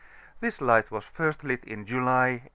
This light was fi^t lit in July, 1838.